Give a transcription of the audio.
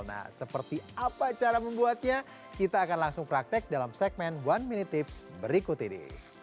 nah seperti apa cara membuatnya kita akan langsung praktek dalam segmen one minute tips berikut ini